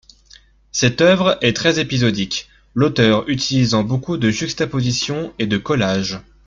Cette œuvre est très épisodique, l'auteur utilisant beaucoup de juxtapositions et de collages.